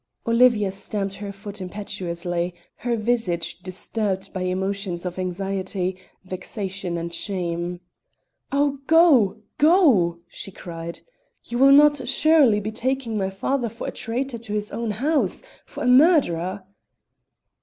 Olivia stamped her foot impetuously, her visage disturbed by emotions of anxiety, vexation, and shame. "Oh, go! go!" she cried. "You will not, surely, be taking my father for a traitor to his own house for a murderer."